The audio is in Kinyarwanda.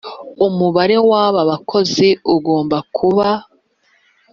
umubare w aba bakozi ugomba kuba